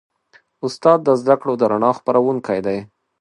استاد د زدهکړو د رڼا خپروونکی دی.